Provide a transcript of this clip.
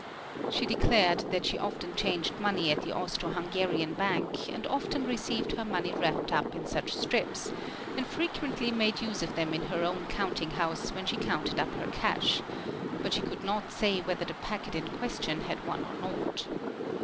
She declared that he often changed money at the Austro Hungarian Bank and often eceived her money wrapped up in such strips, and frequently made se of them in her own counting house when she counted up her cash, it she could not say whether the packet in question had one or not.